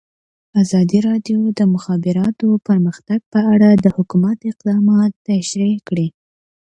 ازادي راډیو د د مخابراتو پرمختګ په اړه د حکومت اقدامات تشریح کړي.